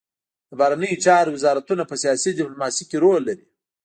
د بهرنیو چارو وزارتونه په سیاسي ډیپلوماسي کې رول لري